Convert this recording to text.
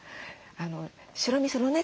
白みそのね